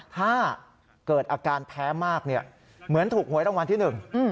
ถ้าเกิดอาการแพ้มากเนี่ยเหมือนถูกหวยรางวัลที่หนึ่ง